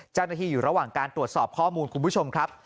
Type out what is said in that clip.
เจ้าหน้าที่อยู่ระหว่างการตรวจสอบข้อมูลคุณผู้ชมครับ